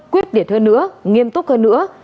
quyết định hơn nữa nghiêm túc hơn nữa